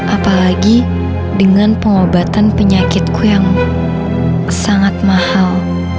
apalagi dengan pengobatan penyakitku yang sangat mahal